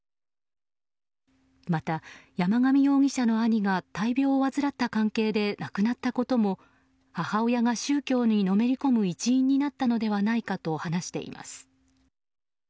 また、山上容疑者の兄が大病を患った関係で亡くなったことも母親が宗教にのめり込む一因になったのではないかと話しています。